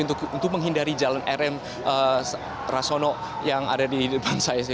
saya tidak tahu untuk menghindari jalan rm rasono yang ada di depan saya